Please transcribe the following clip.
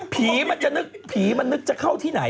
ผีมันนึกจะเข้าที่ไหน